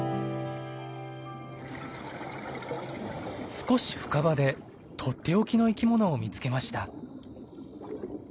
少し深場でとっておきの生きものを見つけました。